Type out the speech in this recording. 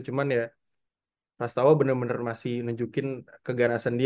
cuman ya prastawa bener bener masih nunjukin keganasan dia